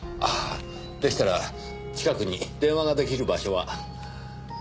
でしたら近くに電話が出来る場所は？